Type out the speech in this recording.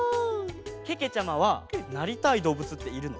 けけちゃまはなりたいどうぶつっているの？